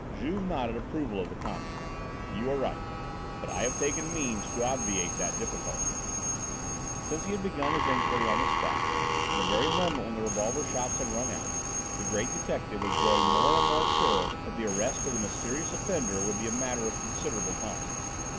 Juve nodded approval of the comment. "You are right; but I have taken means to obviate that difficulty." Since he had begun his inquiry on the spot, from the very moment when the revolver shots had rung out, the great detective was growing more and more sure that the arrest of the mysterious offender would be a matter of considerable time.